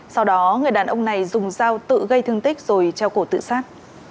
sau đó người đàn ông này dùng dao tự gây thương tích rồi treo cổ tự sát